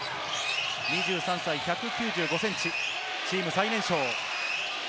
２３歳、１９５センチ、チーム最年少。